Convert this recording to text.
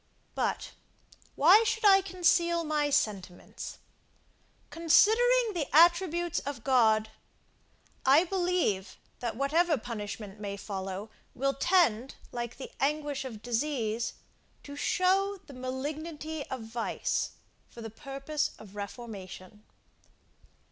But, why should I conceal my sentiments? Considering the attributes of God, I believe, that whatever punishment may follow, will tend, like the anguish of disease, to show the malignity of vice, for the purpose of reformation.